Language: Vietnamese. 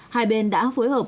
hai bên đã phối hợp